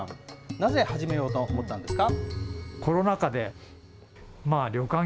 なぜ始めようと思ったんですか？